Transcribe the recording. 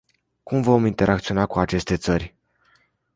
Cum vom interacționa cu aceste țări?